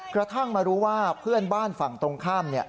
กระทั่งมารู้ว่าเพื่อนบ้านฝั่งตรงข้าม